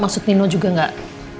maksud nino juga nggak